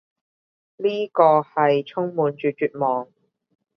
呢個係充滿住絕望